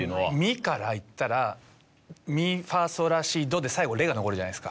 ミからいったらミファソラシドで最後レが残るじゃないですか。